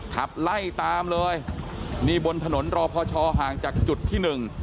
ขับไล่ตามเลยนี่บนถนนรอพอชอห่างจากจุดที่หนึ่ง